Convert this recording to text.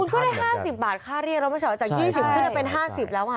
คุณเข้าได้๕๐บาทค่าเรียกเราไม่ชอบว่าจาก๒๐ขึ้นแล้วเป็น๕๐แล้ว